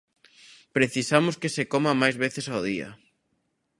Precisamos que se coma máis veces ao día.